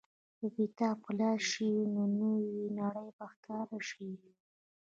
که کتاب خلاص شي، نو نوې نړۍ به ښکاره شي.